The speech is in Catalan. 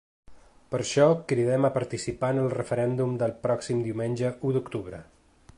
Per això cridem a participar en el referèndum del pròxim diumenge u d’octubre.